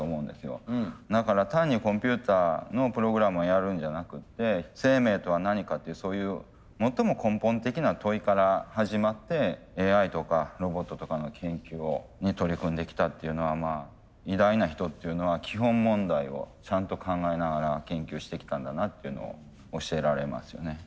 だから単にコンピューターのプログラムをやるんじゃなくって生命とは何かというそういう最も根本的な問いから始まってＡＩとかロボットとかの研究に取り組んできたっていうのは偉大な人っていうのは基本問題をちゃんと考えながら研究してきたんだなっていうのを教えられますよね。